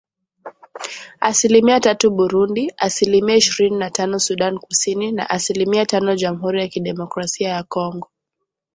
Asilimia tatu Burundi ,asilimia ishirini na tano Sudan Kusini na asilimia tano Jamhuri ya Kidemokrasia ya Kongo.